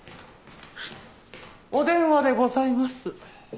お電話でございます。